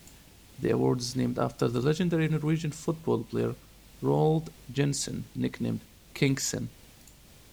The award is named after the legendary Norwegian football player Roald Jensen, nicknamed "Kniksen".